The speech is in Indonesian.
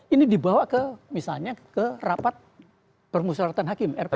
ini dibawa ke misalnya ke rapat permusyaratan hakim rpa